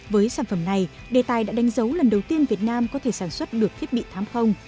với sản phẩm này đề tài đã đánh dấu lần đầu tiên việt nam có thể sản xuất được thiết bị thám không